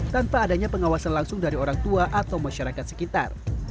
tanpa adanya pengawasan langsung dari orang tua atau masyarakat sekitar